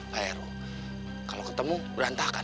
pak heru kalau ketemu berantakan